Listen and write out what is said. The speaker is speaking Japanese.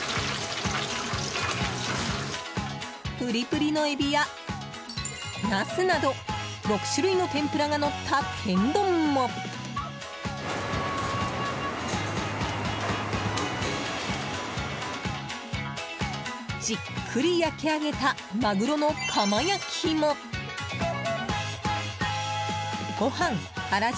プリプリの海老やナスなど６種類の天ぷらがのった天丼もじっくり焼き上げたまぐろのカマ焼きもご飯、アラ汁